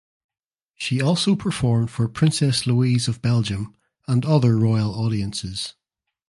She also performed for Princess Louise of Belgium and other royal audiences.